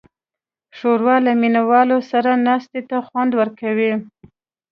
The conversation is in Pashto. ښوروا له مینهوالو سره ناستې ته خوند ورکوي.